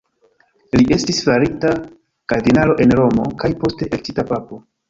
Li estis farita kardinalo en Romo, kaj poste elektita papo.